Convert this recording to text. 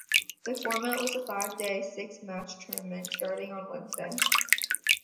The format was a five-day, six-match tournament starting on Wednesday.